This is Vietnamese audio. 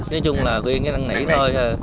nói chung là khuyên cái năng nỉ thôi